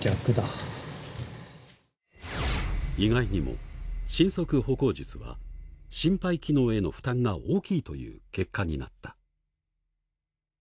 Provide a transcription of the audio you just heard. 意外にも神足歩行術は心肺機能への負担が大きいという結果になった。